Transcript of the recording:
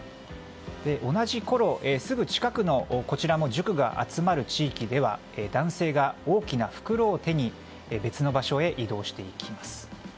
同じころ、すぐ近くのこちらも塾が集まる地域では男性が大きな袋を手に別の場所へ移動していきます。